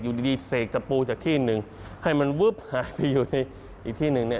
อยู่ดีเสกตะปูจากที่หนึ่งให้มันวึบหายไปอยู่ในอีกที่หนึ่งเนี่ย